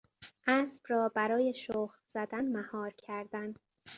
اسب را برای شخم زدن مهار کردن